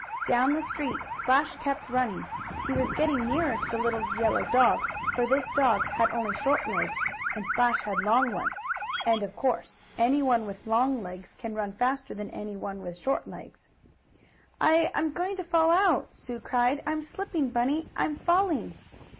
Down the street Splash kept running. He was getting nearer to the little yellow dog, for this dog had only short legs, and Splash had long ones, and, of course, anyone with long legs can run faster than anyone with short legs. "I I'm going to fall out!" Sue cried. "I I'm slipping, Bunny! I'm falling!"